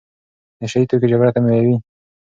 نشه يي توکي جګړه تمویلوي.